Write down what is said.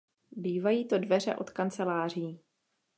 Bývají to dveře od kanceláří.